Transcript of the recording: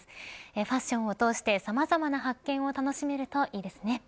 ファッションを通してさまざまな発見を楽しめるといいですね。